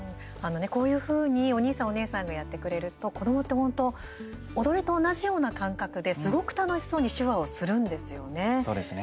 こういうふうにおにいさん、おねえさんがやってくれると、子どもって本当、踊りと同じような感覚ですごく楽しそうに手話をするんですよね。